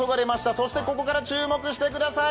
そしてここから注目してください。